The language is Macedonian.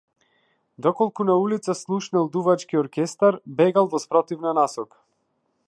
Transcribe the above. Доколку на улица слушнел дувачки оркестар, бегал во спротивна насока.